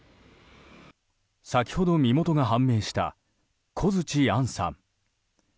先ほど身元が判明した小槌杏さん。